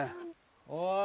おい。